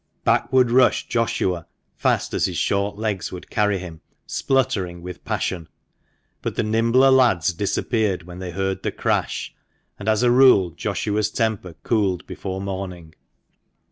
Back would rush Joshua fast as his short legs would carry him, spluttering with passion ; but the THE MANCHESTER MAN. 103 nimbler lads disappeared when they heard the crash, and, as a rule, Joshua's temper cooled before morning.